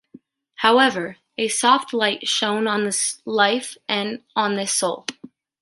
However, a soft light shown on this life and on this soul.